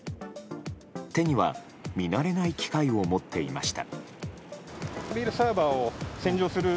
手には見慣れない機械を持っていました。